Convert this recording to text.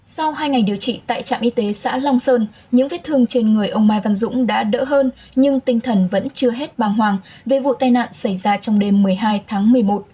sau hai ngày điều trị tại trạm y tế xã long sơn những vết thương trên người ông mai văn dũng đã đỡ hơn nhưng tinh thần vẫn chưa hết bàng hoàng về vụ tai nạn xảy ra trong đêm một mươi hai tháng một mươi một